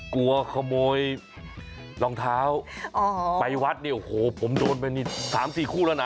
กลัวขโมยรองเท้าไปวัดเนี่ยโอ้โหผมโดนไปนี่๓๔คู่แล้วนะ